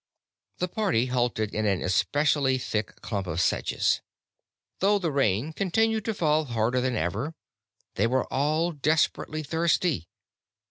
The party halted in an especially thick clump of sedges. Though the rain continued to fall, harder than ever, they were all desperately thirsty.